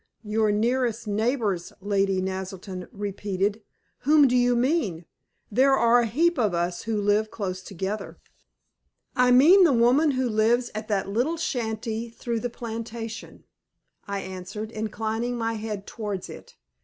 "Your nearest neighbors!" Lady Naselton repeated. "Whom do you mean? There are a heap of us who live close together." "I mean the woman who lives at that little shanty through the plantation," I answered, inclining my head towards it.